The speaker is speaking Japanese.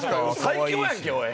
最強やんけおい！